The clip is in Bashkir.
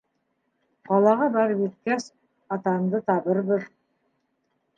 Ҡалаға барып еткәс, атанды табырбыҙ.